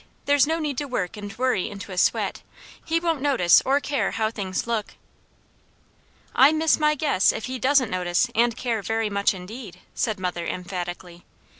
There's no need to work and worry into a sweat. He won't notice or care how things look." "I miss my guess if he doesn't notice and care very much indeed," said mother emphatically.